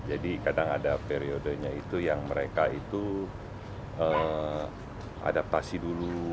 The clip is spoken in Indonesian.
jadi kadang ada periodenya itu yang mereka itu adaptasi dulu